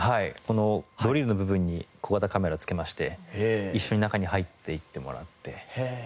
このドリルの部分に小型カメラ付けまして一緒に中に入っていってもらって。